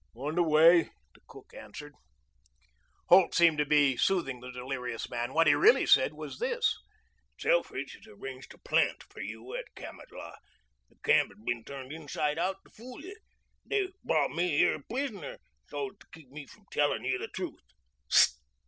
"On the way," the cook answered. Holt seemed to be soothing the delirious man. What he really said was this. "Selfridge has arranged a plant for you at Kamatlah. The camp has been turned inside out to fool you. They've brought me here a prisoner so as to keep me from telling you the truth.